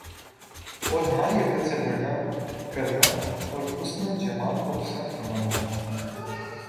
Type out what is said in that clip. اور ہماری عقل سے بڑھنا کرنا اور حسن و جمال کو پسند فرمانا ہونا